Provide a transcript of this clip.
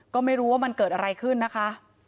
ก็ไม่รู้ว่ามันเกิดอะไรขึ้นนะคะ